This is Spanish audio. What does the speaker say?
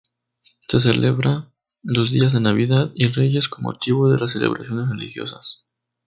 Se celebra los días de Navidad y Reyes con motivo de las celebraciones religiosas.